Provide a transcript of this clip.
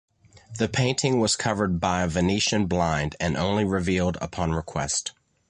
The painting was covered by a venetian blind and only revealed upon request.